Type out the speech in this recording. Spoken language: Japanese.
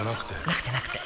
なくてなくて